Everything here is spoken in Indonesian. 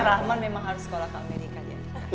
ya rahman memang harus sekolah di amerika ya